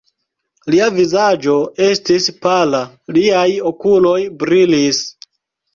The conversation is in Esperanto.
Lia vizaĝo estis pala, liaj okuloj brilis.